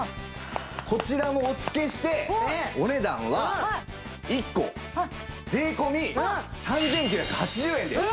こちらもお付けしてお値段は１個税込３９８０円です！